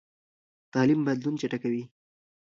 تعلیم بدلون چټکوي.